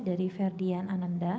dari ferdian ananda